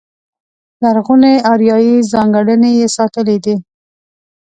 لرغونې اریایي ځانګړنې یې ساتلې دي.